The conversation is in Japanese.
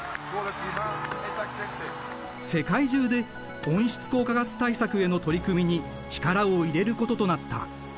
世界中で温室効果ガス対策への取り組みに力を入れることとなった。